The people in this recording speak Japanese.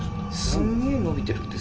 すげえ伸びてるんです。